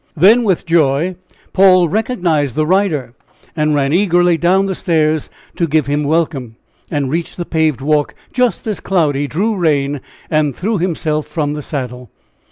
Then with joy Paul recognized the rider, and ran eagerly down the stairs to give him welcome, and reached the paved walk just as Cloudy drew rein and threw himself from the saddle.